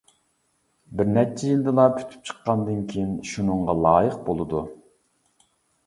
بىر نەچچە يىلدىلا پۈتۈپ چىققاندىكىن شۇنىڭغا لايىق بولىدۇ.